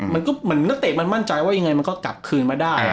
มันก็เหมือนนักเตะมันมั่นใจว่ายังไงมันก็กลับคืนมาได้